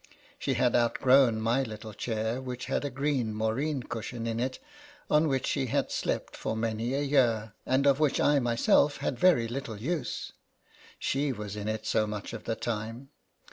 She had outgrown my little chair, which had a green moreen cushion in it, on which she had slept for many a year, and of which I myself had very little use, she was in it so much of the time.